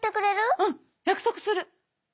うん約束する。